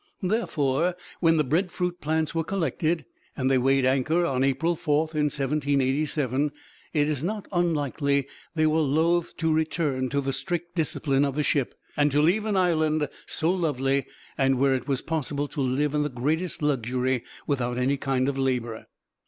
Therefore, when the breadfruit plants were collected, and they weighed anchor on April 4, in 1787, it is not unlikely they were loath to return to the strict discipline of the ship, and to leave an island so lovely, and where it was possible to live in the greatest luxury without any kind of labor.